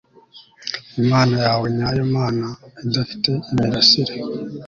Imana yawe nyayo Mana idafite imirasire